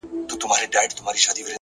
وي دردونه په سيــــنـــــوكـــــــــي ـ